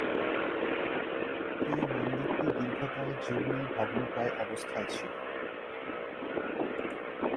এই মন্দিরটি দীর্ঘকাল জীর্ণ, ভগ্নপ্রায় অবস্থায় ছিল।